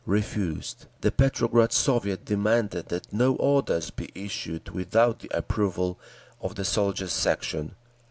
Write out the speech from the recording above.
Refused. The Petrograd Soviet demanded that no orders be issued without the approval of the Soldiers' Section.